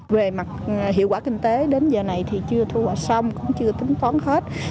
về mặt hiệu quả kinh tế đến giờ này thì chưa thu hoạch xong cũng chưa tính toán hết